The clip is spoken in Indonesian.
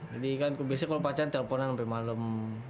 jadi kan biasanya kalau pacaran telponan sampai malem